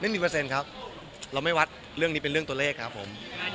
เปอร์เซ็นต์ครับเราไม่วัดเรื่องนี้เป็นเรื่องตัวเลขครับผม